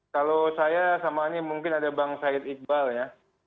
kalau saya sama ini mungkin ada bang said iqbal ya